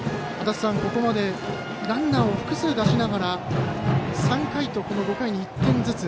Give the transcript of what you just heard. ここまでランナーを複数出しながら３回と５回に１点ずつ。